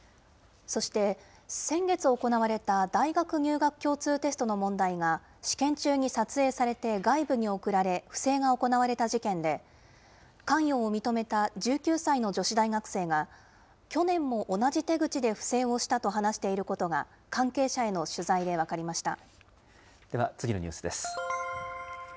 そして、先月行われた大学入学共通テストの問題が、試験中に撮影されて外部に送られ、不正が行われた事件で、関与を認めた１９歳の女子大学生が、去年も同じ手口で不正をしたと話していることが、関係者への取材では次のニュースです。